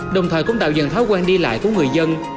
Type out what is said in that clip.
đồng thời cũng tạo dần thói quen đi lại của người dân